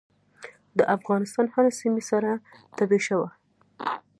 د افغانستان هره سیمه سره تبۍ شوه.